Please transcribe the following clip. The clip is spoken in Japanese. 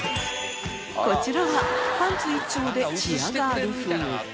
こちらはパンツ一丁でチアガール風。